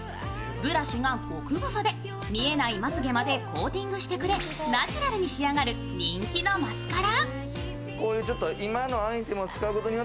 ブラシが極細で見えないまつげまでコーティングしてくれナチュラルに仕上がる人気のマスカラ。